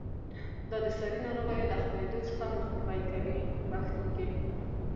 دا د ساري ناروغیو له خپرېدو څخه مخنیوی کوي په پښتو کې.